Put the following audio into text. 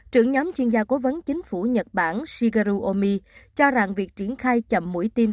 trưởng nhóm chuyên gia cố vấn chính phủ nhật bản shigeru omi cho rằng việc triển khai chậm mũi tim